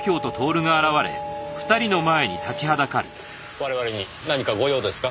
我々に何かご用ですか？